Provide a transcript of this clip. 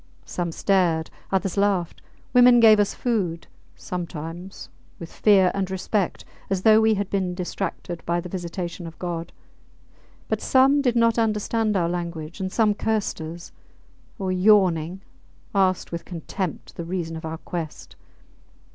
Some stared; others laughed; women gave us food, sometimes, with fear and respect, as though we had been distracted by the visitation of God; but some did not understand our language, and some cursed us, or, yawning, asked with contempt the reason of our quest.